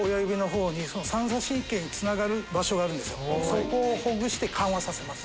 そこをほぐして緩和させます。